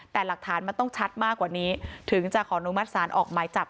แต่หลักฐานมันต้องชัดมากกว่านี้ถึงจะขออนุมัติศาลออกหมายจับ